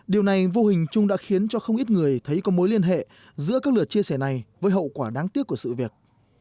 điều này vô hình chung đã khiến cho không ít người thấy có mối liên hệ giữa các lượt chia sẻ này với hậu quả đáng tiếc của sự việc